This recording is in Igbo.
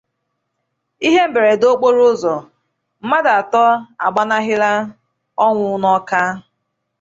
Ihe Mberede Okporoụzọ: Mmadụ Atọ Agbanahịla Ọnwụ n'Ọka